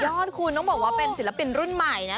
ยอดคุณไม่ว่าเป็นศิลปินรุ่นใหม่นะ